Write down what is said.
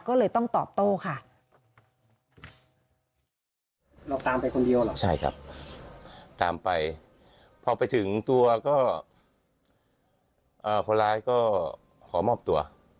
ก็เลยต้องตอบโต้ค่ะ